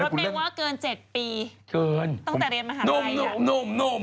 ตั้งแต่เรียนมหาวัยอีกแล้วนุ่ม